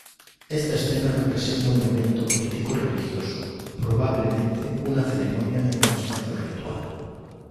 Esta escena representa un evento político religioso, probablemente una ceremonia en un espacio ritual.